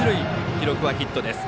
記録はヒットです。